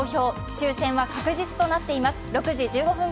抽選は確実となっています。